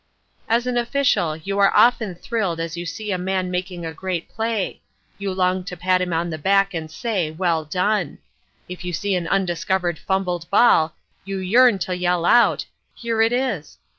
As an official you are often thrilled as you see a man making a great play; you long to pat him on the back and say, "Well done!" If you see an undiscovered fumbled ball you yearn to yell out "Here it is!"